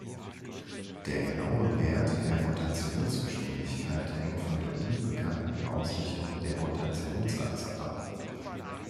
Der genaue Wert der Rotationsgeschwindigkeit hängt von der unbekannten Ausrichtung der Rotationsachse ab.